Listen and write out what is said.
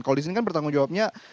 kalau di sini kan bertanggung jawabnya